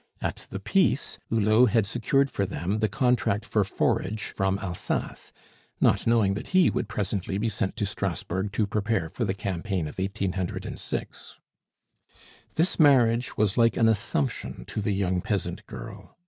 At the peace Hulot had secured for them the contract for forage from Alsace, not knowing that he would presently be sent to Strasbourg to prepare for the campaign of 1806. This marriage was like an Assumption to the young peasant girl.